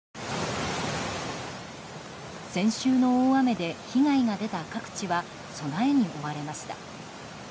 先週の大雨で被害が出た各地は備えに追われました。